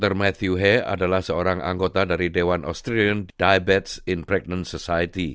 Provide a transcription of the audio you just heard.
dr matthew he adalah seorang anggota dari dewan australian diabetes in pregnant society